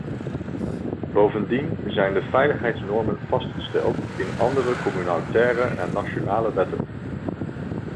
Bovendien zijn de veiligheidsnormen vastgelegd in andere communautaire en nationale wetten.